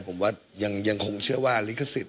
ผมว่ายังคงเชื่อว่าลิขสิทธ